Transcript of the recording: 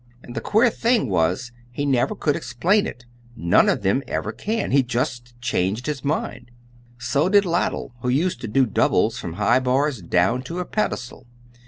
And the queer thing was he never could explain it none of them ever can; he just changed his mind. So did Ladell, who used to do doubles from high bars down to a pedestal.